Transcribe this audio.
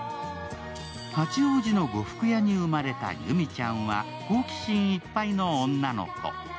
八王子の呉服屋に生まれた由実ちゃんは好奇心いっぱいの女の子。